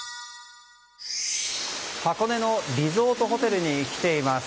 箱根のリゾートホテルに来ています。